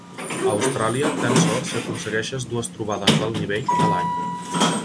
A Austràlia tens sort si aconsegueixes dues trobades d'alt nivell a l'any.